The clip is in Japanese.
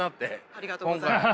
ありがとうございます。